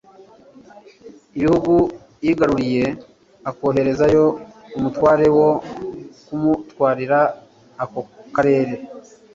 ibihugu yigaruriye akoherezayo Umutware wo kumutwarira ako Karere.